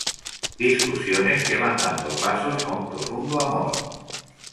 Discusiones que van dando pasos a un profundo amor.